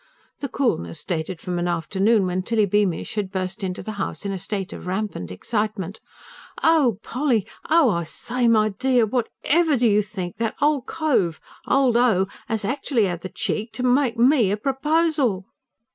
The coolness dated from an afternoon when Tilly Beamish had burst into the house in a state of rampant excitement. "Oh, Polly! oh, I say! my dear, whatever do you think? That old cove old O. 'as actually had the cheek to make me a proposal."